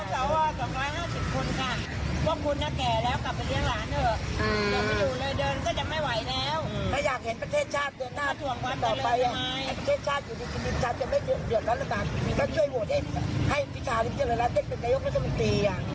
ถ้าอยากเห็นประเทศชาติเดินหน้าถึงต่อไป